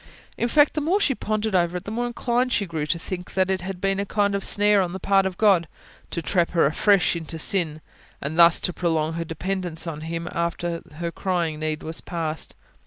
In fact, the more she pondered over it, the more inclined she grew to think that it had been a kind of snare on the part of God, to trap her afresh into sin, and thus to prolong her dependence on Him after her crying need was past.